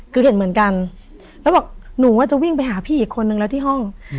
คือเห็นเหมือนกันแล้วบอกหนูว่าจะวิ่งไปหาพี่อีกคนนึงแล้วที่ห้อง